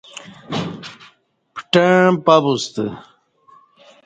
پٹݩع پَہ بوستہ